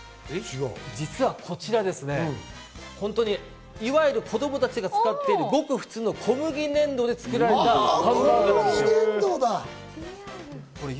実はこちらいわゆる子供たちが使ってるごく普通の小麦粘土で作られたハンバーガーなんですよ。